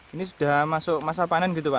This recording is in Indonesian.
ini sudah masuk masa panen gitu pak